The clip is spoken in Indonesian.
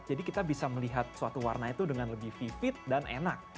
jadi kita bisa melihat suatu warna itu dengan lebih vivid dan enak